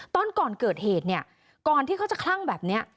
ตอนก่อนเกิดเหตุเนี่ยก่อนที่เขาจะคลั่งแบบนี้